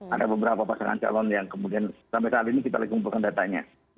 ada beberapa pasangan calon yang kemudian sampai saat ini kita lagi kumpulkan datanya